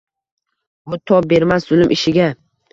U tob bermas zulm ishiga.